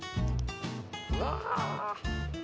うわ！